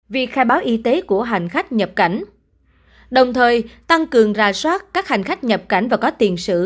việc khai báo y tế của hành khách nhập cảnh đồng thời tăng cường ra soát các hành khách nhập cảnh và có tiền sử